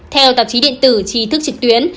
theo tạp chí điện tử trí thức trực tuyến